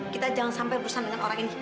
kita jangan sampai bosan dengan orang ini